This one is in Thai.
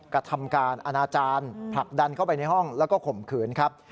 กระทำการอนาจารย์ผลักดันเข้าไปในห้องแล้วก็ข่มขืนครับ